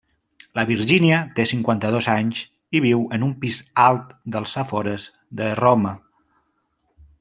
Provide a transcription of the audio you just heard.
La Virgínia té cinquanta-dos anys i viu en un pis alt dels afores de Roma.